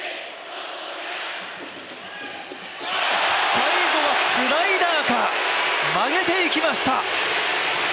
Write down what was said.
最後はスライダーか、曲げていきました。